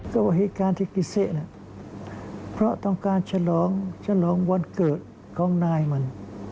ก็วิธีการที่กรุเสะเพราะต้องการฉลองวันเกิดของนายมัน